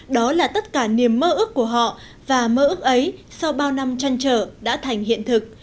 đó là tất cả niềm mơ ước của họ và mơ ước ấy sau bao năm chăn trở đã thành hiện thực